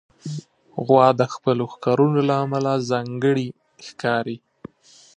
غوا د خپلو ښکرونو له امله ځانګړې ښکاري.